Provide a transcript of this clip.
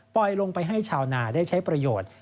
ลงไปให้ชาวนาได้ใช้ประโยชน์